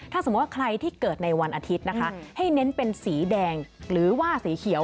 ถ้าสมมุติว่าใครที่เกิดในวันอาทิตย์นะคะให้เน้นเป็นสีแดงหรือว่าสีเขียว